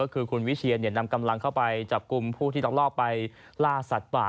คือคุณวิเชียนนำกำลังเข้าไปจับกลุ่มผู้ที่ต้องลอบไปล่าสัตว์ป่า